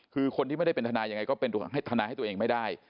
คือคนที่ไม่ได้เป็นทนายยังไงก็เป็นทนายให้ตัวเองไม่ได้